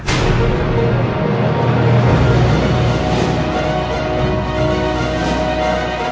อยากเป็นเนื้อ